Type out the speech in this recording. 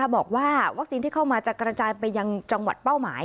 บอกว่าวัคซีนที่เข้ามาจะกระจายไปยังจังหวัดเป้าหมาย